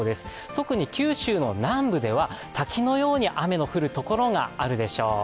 特に九州の南部では滝のように雨が降るところがあるでしょう。